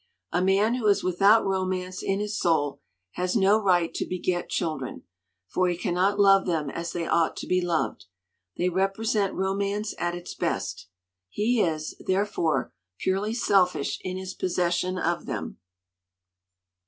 A man who is without romance in his soul has no right to beget children, for he cannot love them as they ought to be loved. They represent romance at its best. He is, therefore, purely sel fish in his possession of them."